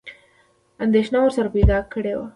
انېدښنه ورسره پیدا کړې وه.